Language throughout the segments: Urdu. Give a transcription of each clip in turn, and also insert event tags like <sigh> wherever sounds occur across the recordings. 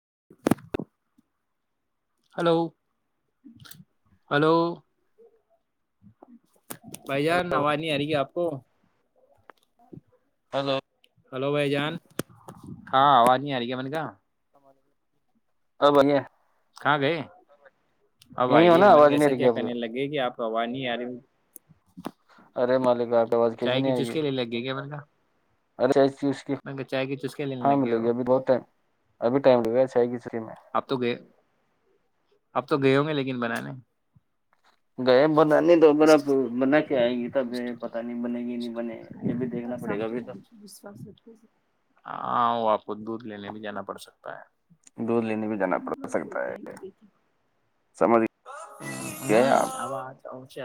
<inaudible> ہلو ہلو بھائی جان آواز نہیں آ رہی ہےی آپ کو ہلو ہلو بھائی جان ہاں آواز نہیں آ رہی ہے من کا ا بنیا کہاں گے اب یہیں ہو نا آئیے مے آواز نہیں ایسا رہی کیا آپ کرنے کو لگے کہ آپ آوا نہیں آ رہے ارے ملکا چائے ک چ اس کے لیے لگ گ گیا م کا اوررے اس کی ہاں لگ گئے ملے ہو گی ابھی بہت ٹائم ابھی ٹائم لگے گا چاہ گ اپ تو گئے اب تو گئے ہوں گے لیکن بنے گئے بنے تو ب اب بنا کے آئے گی تب یہ پتا نہیں بنے گی نہیں بنے یہ بھی دیکھنا پڑے گا ابھی تو ہاں وہ آپ کو دودھ لینے بھی جانا پڑ سکتا ہے دودھ لینے بھی جانا پڑ سکتا ہے سمجھ گئے آپ آازچ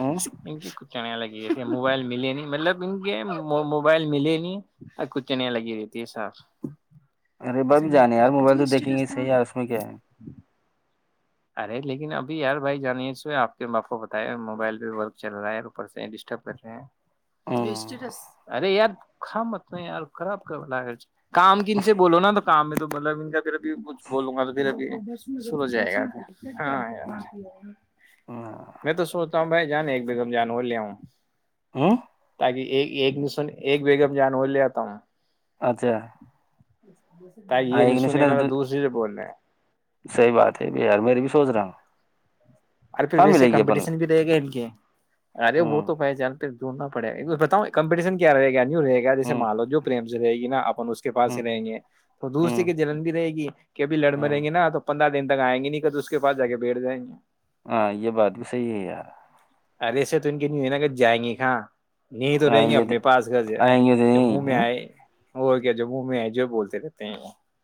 ہ چنےیا لگی رہتی ہیں موبائل ملے نہیں مطلب ان کے موبائل ملے نہیں اور کچھ چنیا لگی رہتی ہے سب ارے با بھی جانے یار موبائل تو دھیں گے صحیح ہے اس میں کیا ہے ارے لیکن ابھی یار بھائی جانے آپ کے بتا موبائل پہ چل رہا ہے ڈٹر کر رہے ہیں ارے یارتراب کام کن سے بولو نا تو ہمیں تو بلا بن پھر بھی کچھ بولوں گا تو پھر ا بھی سو جائے گا ہاں میں تو سوچتا ہوں بھائی جان ایک بیگم جان اور لے آؤں تو ہ تاکہ ایک ایک دسن ایک بیگ میں جان ہوول لیاتا ہوں اچھا ت ہاں یہ نہیں ایگنیشن سنےینا تو دوسری سے بولنا ہے ار میری بھی سوچ رہا ہ اور پھر ویسے کمپٹیشن بھی رہے گا ان ارے وہ تو پ ہ جان دھڑنا پڑے بتاؤ کمپٹیشن کیا رہے گا رہے گا جیسے ہ مانالو جو پریم سے رہے گی نا اپن اس کے پاس ہوں ہی رہیں گے تو دوسری ہوں کے جلن بھی رہے گی کہبھی لڑ م ہوں رہیں گے نا تو پندرہ دن تک آئیں گے نہیں کا تو اس کے پاس جا کے بیٹھ جائیں گے ہاں یہ بات بھی صحی ہے یار ارے سر تو ان کی نی ہے ن گج جائیں گی کہاں نہیں تو رہیں آئیں گے دے- اپنے پاس گھر سے آئیں گے جب نہیں منہ میں ہاں؟ آئے وہ کیا ج مو میں ہے ج جوے بولتے رہے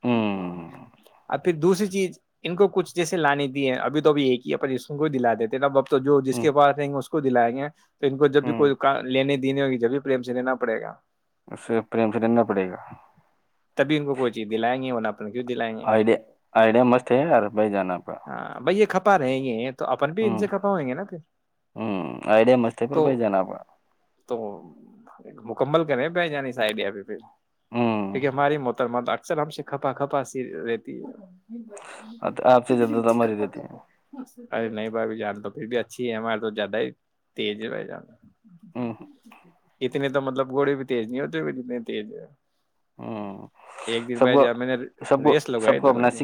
ہوں <inaudible> ھر دوسری چیز ان کو کچھ جیس لانی دی ہے اب توبھی ایک ہی ہے پ ج کو دلا دا تو جو جس ہوں کے پاس رہیں گے اس کو کو دلائیں گے تو ان کو جب بھی ہوں، کوئی لینے نہیں ہوگی جبھی پریم سے لینا پڑے گا اسے پریم سے ڈنا پڑے گا اب ان کوئی چی دلائیں گے ہونا آئیڈ آئیڈیا مست ہے یار بھائی جانا کا کھپا پر ہیں یہ تو اپن بھی ان ہوں سے کھپا ہوئیں گے نا پھر ہوں آئیڈیا مست ہے پر تو بھائی جان آپ کا تو مکمل کرے پہ ع سائڈیا پ پ ہوں کہ ہماری متر م دا اکثلام سے کھپا کھپا سی رہتی ہے نہیں آت- آپ سے زیادہ بؤچ ہماری کپا دیتے ہیں کا ارے نہیں بھائی جان تو پھر بھی اچھی ہے ہمارے تو زیادہ ہی تیز ہے بھائی جان جی ہوں جی اتنے تو مطلب گھوڑے بھی تیز نہیں ہوتے بھی اتنے تیز ہے ہ ایک دن سب بھائی کو جان میں نے سب کو ریس لگائی سب کو دونوں اپنا کی س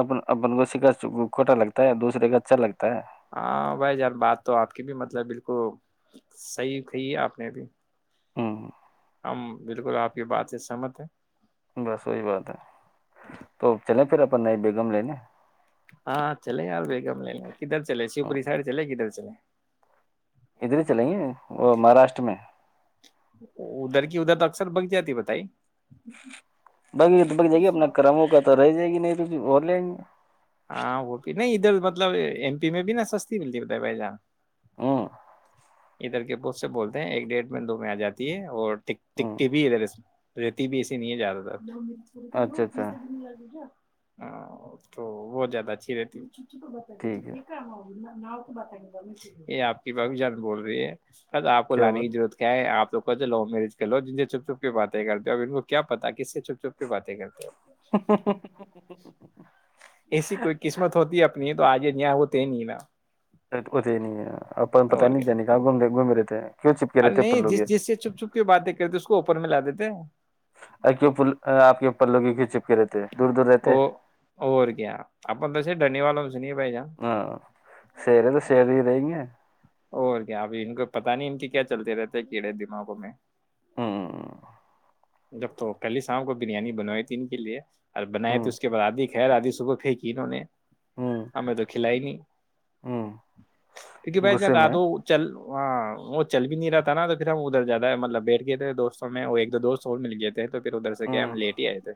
اپ اپن کو سھا کھوٹا لگتا دوسے کا اچھا لگتا ہے ہاں بھائی جان بات تو آپ کی بھی مطلب بالکل کو صحیح کہی ہے آپ نےبھی ہاں ہم بالکل آپ کی بات سے سہمت ہے بس وہی نہیں بی گم لے ہاں چلے یار بیگم لےنے کدھر چلے شیو پورری سائڈ چلے کدھر چ ادھر ہی چلیںے وہ مہاراشٹر میں ادھر کی ادھر تو اکثر بگ جاتی بتائی باقی بک جائے گی اپنا کرموں کا تو رہ جائے گی نہیں تو اور لیں گی ہاں ہوپ نہیںھر ب مطلب ایم پی میں بھی نا سستی ملتی ہے بت بھائی جان ہوں ادھر کے ب سے بولتے ہیں ایک ڈیھ میں دو میں آ جاتی ہے اور ہوں تکتی بھی ہے ادھر رہتی بھی ایسے نہیں ہے ج رہا تھا اچھا اچھا ہاں تو بہت زیادہ اچھی رہتی چوکا بت جی ٹھیک ہے بیکھارا ہوا <inaudible> ب یہ آپ کی ب زیاد بول رہی ہے ا تو آپ کو کیا لانے بول کی ضرورت کیا ہے آپ تو لو میرریج کر لو جن سے چپ چھپ باتیں کرتے ہو ا انن کو کیا پتاس سے چپ چھپ باتیں کرتے ہو ایسی کوئی قسمت ہوتی ہے اپنی تو آجے نہیںیا ہوتے نہیں نا ات ہی نہیں ہے اپپ پتا اور نہیں کیا جانی ج گوم د گومم رہے ارے نہیں جس جس سے چپ چھپ کی باتیں کرتے اس کو پر میںلا دیتے ا کیوں آپ پلوں کی ک چپکے رہتے ہیں دور دور او رہتے وہو کیا اپ ڈ والوں سنیے بھائی جان ہاں سییرے تو شیر رہی گ اور کیا اب ان کو پتاہ نہیں ان کے کیا چلتے رہتے کیڑے دماغوں میں ہوں جب تو پہللی شام کو بریانی بنوائی تھی ان کے لیے ار بنائے تو ہوں اس کے بعدادی خیر آادی صب پھیکی انہوں نے ہمیں تو کھلائ نہیں ہوں کیونکہ بھائی جان غصے میں رادو چل ہ وہ <unintelligible> چل بھی نہیں رہا تھا نا تو پھر ہم ادھر زیادہ ہے مطلب بیٹھ گئے تھے دوستوں میں اور ایک دو دوست اور مل گئے تھے تو پھر ادھر سے کیا ہے ہم ہوں لیٹ ہی آئے تھے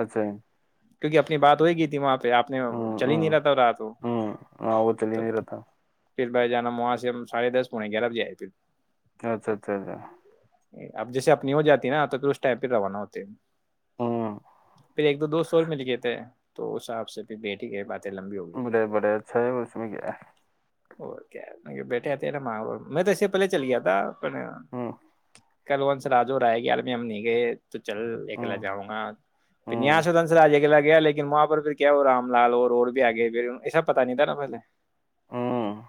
اچھا اپنی بات ہو ہی گئی تھی وہاں پہ آپ نے چل ہی نہیں ہوں رہا تھا رات وہ ہوں ہاں وہ چل ہی نہیں رہتا بھائی جان ہم وہاں سے ہم ساڑھےدس پونے گیارہ بجے آئے تھے اچھا اچھا اچھا اب جیسے اپنی ہو جاتی ہے نا تو پھر اس ٹائم پہ روانہ ہوتے ہیں ہوں پھر ایک دو دوست اور مل گئے تھے تو اسساب سے پھر بیٹھ ہی گئے بات بڑے بڑے اچھا ہے اس میں کیا ہے اور کیا بیٹھے آتے ہیں نا ماں میں تو اس سے پہلے چل گیا تھا ک ہوں <unintelligible> کل ونس راجو رہ آئے گی عالمی ہم نہیں گئے <unintelligible> تو چل ایک ہوں لےجاؤں گا پھر نیا ہوں و دنس رج اکلا گیا لیکن وہاں پر پھر کیا ہو رام لال اور اور بھی آگئے پھر ایسب پتا نہیں تھا نا پہلے <unintelligible> ہوں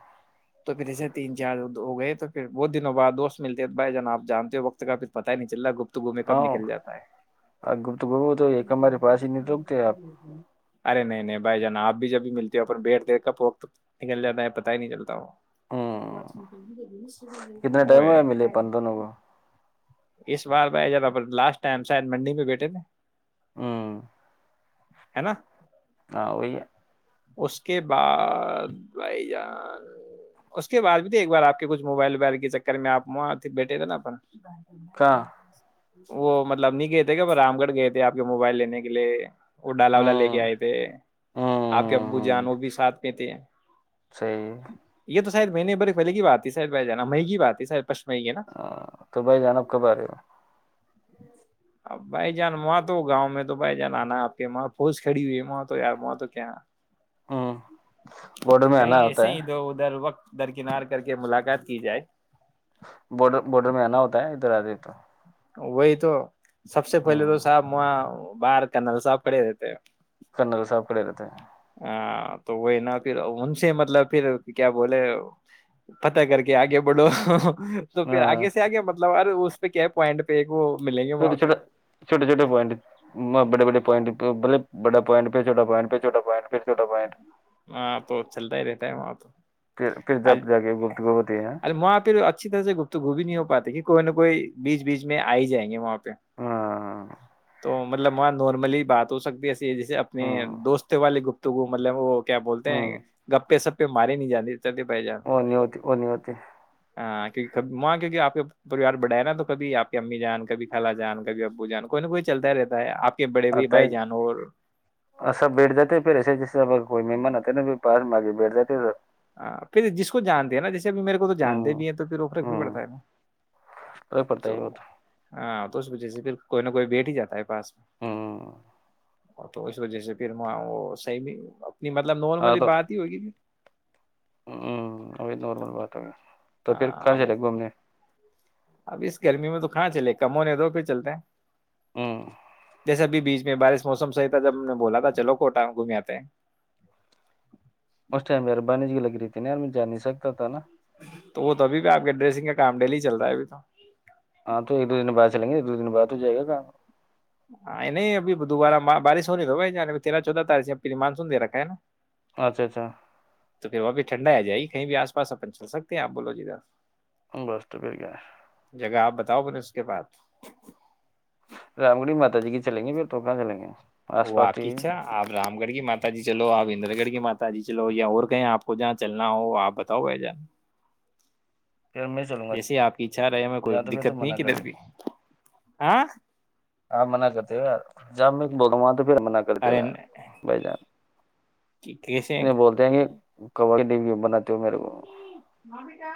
تو پھر ایسے تین چار ہو گئے تو پھر بہت دنوں بع دوست ملتے ہیں بھائی جان آپ جانتے ہو وقت کا کچھ پتہ ہی نہیں چلتا گفتگو میں کب نکل ہاں جاتا ہے گفتگو کو تو ایک ہمارے پاس ہی نہیں رکتے آپ ارے نہیں نہیں بھائی جان آپ بھی جب بھی ملتے ہو پھر بیٹھ دیکھ کر وقت نکل جاتا ہے پتا پتا ہی نہیں چلتا وہ کتنے ٹائم ہوئے ملے پند دونوں کو اس بار بھائی جان لاسٹ ٹائم شاید منڈی پہ بیٹھے تھے ہمم ہے نا ہاں وہی ہے اس کے بعد بھائی جان اس کے بعد بھی تو ایک بار آپ کے کچھ موبائل وبائل کے چکر میں آپ وہاں بیٹھے تھے نا اپن گ کہاں <unintelligible> وہ مطلب نہیں گئے تھے کہ وہ رام گڑھ گئے تھے آپ کے موبائل لینے کے لیے وہ ڈاالو ل لے کےے ہوں آئے تھے <unintelligible> آپ کے ابو ہوں جان وہ بھی ساتھ گئے تھے صحیح ہے۔ یہ تو سر میں نے بے پلے کی بات ت سر بائی جا مہنی بات ہے سر پ <unintelligible> ہ تو بھائی جان آپ کب آ رہے ہو اب بھائی جان وہاں تو گاؤں میں تو بھائی جان آنا آپ کے وہاں پھس کھڑی ہوئی ہے وہاں تو یار وہاں تو کیا ہمم بورڈر میں آنا کہیں ہوتا ایسے ہے ہی ادھر ادھر وقت درکنار کر کے ملاقات کی جائے بارڈر بارڈر میں آنا ہوتا ہے ادھر آدھر تو وہی تو سب سے پہلے تو ہوں صاحب وہ باہار کنر ساپڑے دیتےے کنر ساپ کڑ ارت ہے ہاں تو وہ نا پھر ان سے مطلب پھر کیا بولے پت کر کے آگے بڑھو تو پھر ہاں آگے سے آگے مطلب اس پہ کیا پوائنٹ پہ ایک وہ ملیں گے وہاں چھوٹے پہ چھوٹے چھوٹے چھوٹے پوائنٹ بڑے بے پوائنٹ بے با پوائٹ پ چھوا پوائٹ پھوا پوائٹ پھر چھوٹا پوائنٹ وہاں تو چلتا ہی رہتا ہے وہاں تو پھر پھر جب جا کے گفتگو ہوتی ہے ار وہاں پھر اچھی طرح سے گت گو بھی نہیں ہو پاتی کہ کوئی نہ کوئی بیچ بیچ میں آئی جائیں گے وہاں پہ ہاں تو مطلب وہاں نارملی بات ہو سکتی ایسے جیسے اپنے ہوں دوست والے گپ تو وہ مطلب وہ کیا بولتے ہیں گپے سپے مارے نہیں جاتے چلتے پائی جان وہاں ا ن ہوتی وہ ن ہوتی ماں کیک آپ کا پریوار بڑائے نا تو کبھی آپ کی امی جان کبھی خالا جان کب ابو جان کوئی نہ کوئی چلتا ہی رہتا ہے آپ کے بڑے بھائی آت ہے بھائی جان اور اسا بٹ جات ہے سس سے آ کوئی مماناتتے بھی پار مار بیٹ جاتی تو پھر جس کو جانتے ہیں نا جیسے اب میرے کو تو جانتے ہوں بھی ہیں تو پھر روک رکھ بھی پڑتا ہے رئی پڑتا ہے ب تو ہاں تو اس و جی سے پھر کوئی نہ کوئی بیٹھ ہی جا ہے پاس میں ہوں اور تو اس وجہ سے پھر وہ وہ صحیح بھی اپنی مطلب ہاں نارملی تو بات ہی ہوگی ہ اھی نارمل بات ہے تو پھر کہاں ہاں چلے وہ گھومنے اب اس گرمی میں تو کہاں چلے کم ہونے دو پھر چلتے ہیں ہوں ایسے بھی بیچ میں بارش موسم صحی تھا جب ہم نے بولا تھا چلو کوٹا گھوم آتے ہیں اسٹائم یار بانجی لگی کتنے ہار میں جا نہیں سکتا تھا نا تو وہ تو ابھی بھی آپ کے ڈریسنگ کا کام ڈیلی چل رہا ہے ابھی تو ہاں تو ایک دو دن بعد چلیں گے ایک دو دن بعد ہو جائے گا کام ہاں نہیں ابھی دوبارہ بارش ہونی ہو بھائی تیرہ چودہ تاریخ سے پ مانسون دے رکھا ہے نا اچھا اچھا تو پھر وہاں پہ ٹھنڈا آ جائے کہیں بھی آس پاس اپن چل سکتے ہیں آپ بولو جدھر بس تو پھر کیا ہے جگہ آپ بتاؤ بنے کے بعد رام گڑھی ما جی کے چلیں گے پھر تو کہاں چل گے آس پاس ٹھیک واقیھا آپ رام گڑھ کی ماتا جی چلو آپ اندر گڑھ کی مات جی چلو یا اور کہیں آپ کو جہاں چلنا ہو آپ بتاؤ بھائی جان پھر میں چلوں گا جیسے آپ کی اچھا رہے ہمیں کوئی یا تو پھر تو دقت نہیں منع کدھر کرتے بھی <inaudible> ہاں من کرتی جام بد مات پھر منع کرتے ارے ہوئے ن- بھائی جان کی- کیسے انیں بولتے ہیں کہ ک بنات می مم کا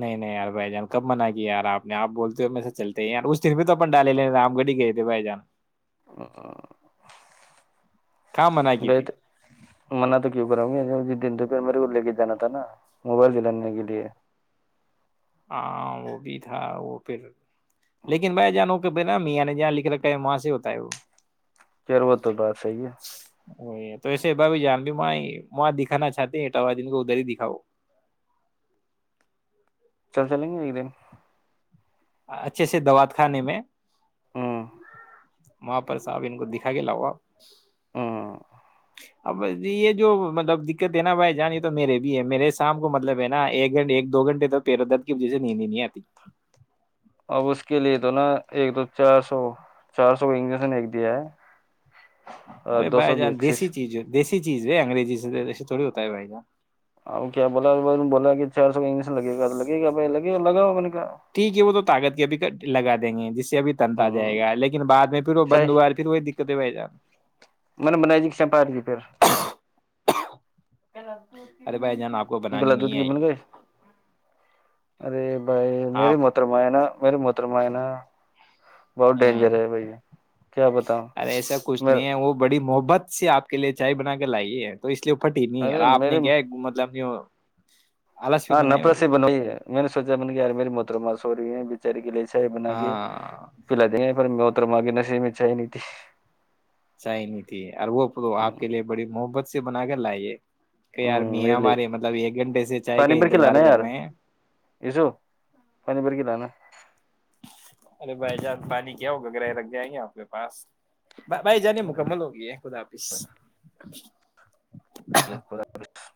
نہیں نہیں یار بھائی جان کب مننا کیا یار آپ آپ بولتے ہو میں سے چلتے ہیں ار اس دن پہ تو اپن ڈالے لےتے آپ گڑی گئے تھے بھائی جان <inaudible> کہاں منع ب کی تھی تو من تو کی بؤ گ ج دن تو پھر میرے کو لے کے جانا تھا نا موبائل دلانے کے لیے ہاں وہ بھی تھا وہ پھر لیکن بھائی جانو کہ ب ن م نے جہاں لکھ رکھا ہے وہاں سے ہوتا ہے وہ کر وہ تو بات صحی ہے وہی ہے تو ایسے ب جان بھی وہاں دکھانا چاہتی اٹاوا دن کو ادھر ہی دکھاؤ چل چلیں گے ایک دن اچھے سے دات کھانے میں ہوں وہاں پر صاحب ان کو دکھا گ لاؤو آپ ہوں اب ج یہ جو مطلب دقت ہے نا بھائی جان یہ تو میرے بھی ہے میرے شام کو مطلب ہے نا ایک گھنٹے ایک دو گھنٹے تو پیر و درد کی وجہ سے نیند ہی نہیں آتی اب اس کے لیے تو نا ایک تو چار سو چار سو کا انجیکشن ایک دیا ہے ارے دو بھائی سو کی جان دیسی ایکسس چیز ہے دیسی چز ہے انگریزی سےے تھوڑی ہوتا ہے بائا اور کیا بولا ب بولا کہ چار سو کاگلش لگے گا لگے گا بائی لگے لگا ہو میں نے کیا ٹھیک ہے وہ تو طاقت کے ابھی لگا دیں گے جس اب تنتا جائے ہوں گا لیکن بد میں پھر وہ بندوار پھر وہ دکھ کتے پئے جان میں نے بنائی جی چمپار کی پھر ارے بھائی جان آپ کو بنانی گلا دھ نہیں کی ہے بن گئے ارے بھائی آپ میری موتر م نا میری مر چت م ن ہ کیا بتاؤں ارے ایسا کچھ میں نہیں ہے وہ بڑی محبت سے آپ کے لیے چائے بنا کے لائیے ہے تو اس لیے پھٹی نہیں ار ارے آپ نے میرے کیا مطلب <inaudible> ہاں بنائی ہوگی نفرسی بنوئی میں نے سوچ م میں نے ی مری موتر مار سوچ ہیں بےچاری کے لیے بنا کے ہاں پلا دیں گے پھر میں پتر معگے نسیے میں چاہ نہیں تھی چینی تھی وہ آپ کے لیے بڑی محبت سے بنا کے لائیے کہ یار میاں میرے لیے ہمارے مطلب ایک گھنٹے سے چائے پانی کا بھر کے انتظار لانا کر یار رہے ہیں یسو پانی بھر <unintelligible> ارے بھائی جانس پانی کیا ہوگا گرائے رگ جائیں گے آپ کے پاس بھائی جانی مکمل ہو گی ہے خود آفس یہ <unintelligible>